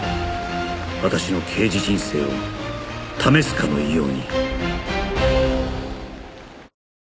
私の刑事人生を試すかのように